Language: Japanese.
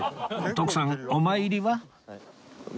徳さんお参りは？